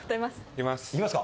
いきます。